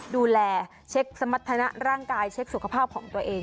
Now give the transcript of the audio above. ดูแลเช็คสมรรถนะร่างกายเช็คสุขภาพของตัวเอง